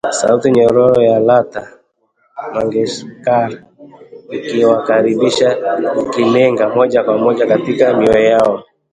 Sauti nyororo ya Lata Mangeshkar ikiwakaribisha, ikilenga moja kwa moja katika mioyo yao